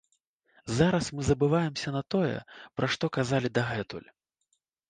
Зараз мы забываемся на тое, пра што казалі дагэтуль.